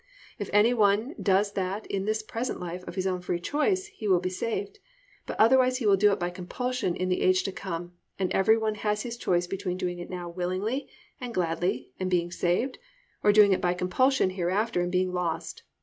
If any one does that in the present life of his own free choice, he will be saved, but otherwise he will do it by compulsion in the age to come and every one has his choice between doing it now willingly and gladly and being saved, or doing it by compulsion hereafter and being lost.